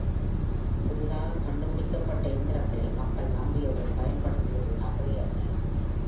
புதிதாகக் கண்டு பிடிக்கப்பட்ட எந்திரங்களை மக்கள் நம்பியது, பயன் படுத்தியது தவறேயல்ல.